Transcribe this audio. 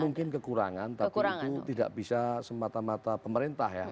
mungkin kekurangan tapi itu tidak bisa semata mata pemerintah ya